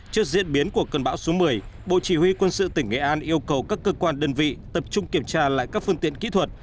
trước diễn biến của cơn bão số một mươi bộ chỉ huy quân sự tỉnh nghệ an yêu cầu các cơ quan đơn vị tập trung kiểm tra lại các phương tiện kỹ thuật